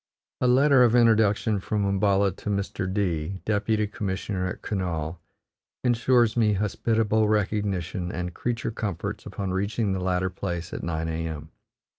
A letter of introduction from Umballa to Mr. D, deputy commissioner at Kurnaul, insures me hospitable recognition and creature comforts upon reaching the latter place at 9 a.m.